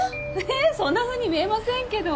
えっそんなふうに見えませんけど。